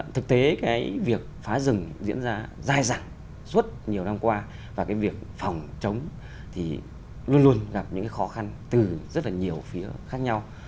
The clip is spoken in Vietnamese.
thực tế cái việc phá rừng diễn ra dài dẳng suốt nhiều năm qua và cái việc phòng chống thì luôn luôn gặp những cái khó khăn từ rất là nhiều phía khác nhau